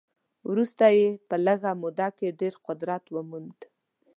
وروسته یې په لږه موده کې ډېر قدرت وموند.